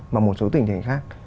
mà một số tình hình khác